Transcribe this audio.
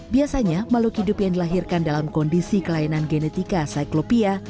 biasanya makhluk hidup yang dilahirkan dalam kondisi kelainan genetika cyclopia